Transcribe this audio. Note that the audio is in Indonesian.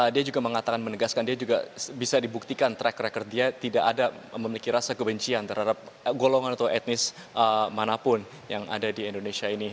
dia juga mengatakan menegaskan dia juga bisa dibuktikan track record dia tidak ada memiliki rasa kebencian terhadap golongan atau etnis manapun yang ada di indonesia ini